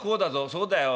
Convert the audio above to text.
そうだよ。